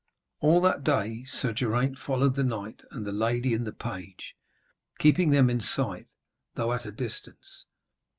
All that day Sir Geraint followed the knight and the lady and the page, keeping them in sight, though at a distance.